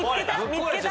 見つけた？